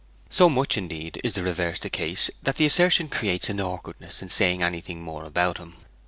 So much, indeed, is the reverse the case that the assertion creates an awkwardness in saying anything more about him.